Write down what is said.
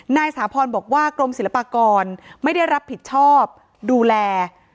สาพรบอกว่ากรมศิลปากรไม่ได้รับผิดชอบดูแล